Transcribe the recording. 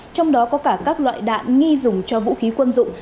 trong đó có cả các loại đạn nghi dùng cho vũ khí quân dụng